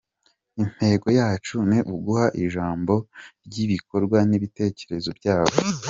Intego yacu ni uguha ijambo ba nyir’ibikorwa n’ibitekerezo byabo.